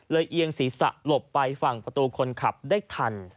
เอียงศีรษะหลบไปฝั่งประตูคนขับได้ทัน